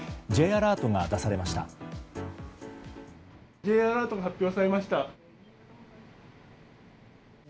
Ｊアラートが発表されました。